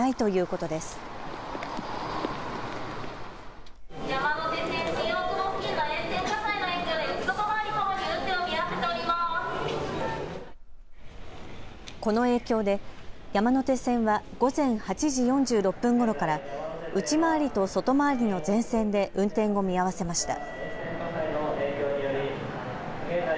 この影響で山手線は午前８時４６分ごろから内回りと外回りの全線で運転を見合わせました。